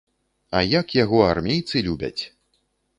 А як яго армейцы любяць.